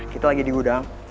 kita lagi di gudang